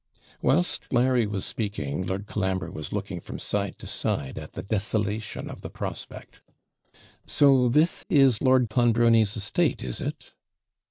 Whilst Larry was speaking, Lord Colambre was looking from side to side at the desolation of the prospect. 'So this is Lord Clonbrony's estate, is it?'